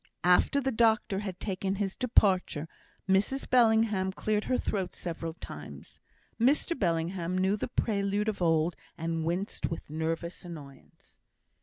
After the doctor had taken his departure, Mrs Bellingham cleared her throat several times. Mr Bellingham knew the prelude of old, and winced with nervous annoyance.